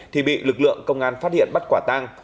thì bị lực lượng công an phát hiện bắt quả tang